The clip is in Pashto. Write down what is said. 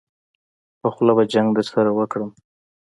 په خوله به جګ درسره وکړم.